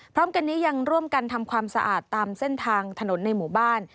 พร้อมกันนี้ยังร่วมกันทำความสะอาดตามเส้นทางถนนในหมู่บ้าน